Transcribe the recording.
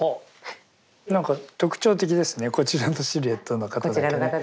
何か特徴的ですねこちらのシルエットの方だけね。